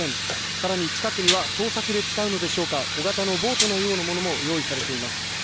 更に近くには捜索で使うのでしょうか小型のボートのようなものも用意されています。